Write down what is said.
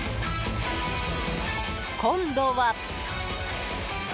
今度は。